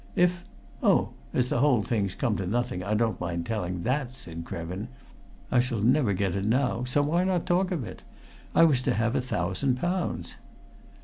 "If " "Oh, as the whole thing's come to nothing, I don't mind telling that," said Krevin. "I shall never get it now, so why not talk of it? I was to have a thousand pounds."